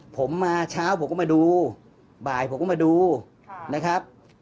ผมมาเช้าผมก็มาดูบ่ายผมก็มาดูนะครับ